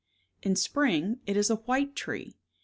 In spring it is a white tree.